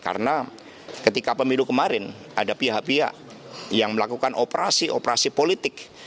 karena ketika pemilu kemarin ada pihak pihak yang melakukan operasi operasi politik